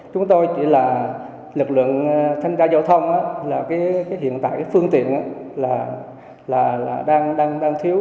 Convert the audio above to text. chúng tôi chỉ là lực lượng thanh tra giao thông là hiện tại cái phương tiện là đang thiếu